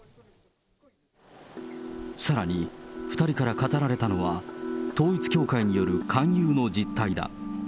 さらに２人から語られたのは、統一教会による勧誘の実態だ。